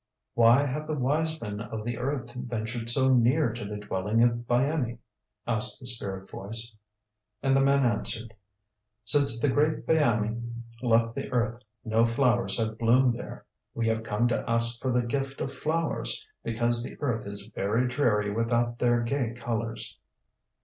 "Why have the wise men of the earth ventured so near to the dwelling of Byamee?" asked the spirit voice. And the men answered, "Since the great Byamee left the earth no flowers have bloomed there. We have come to ask for the gift of flowers, because the earth is very dreary without their gay colors."